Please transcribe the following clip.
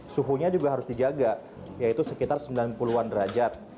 suhunya juga harus dijaga yaitu sekitar sembilan puluh an derajat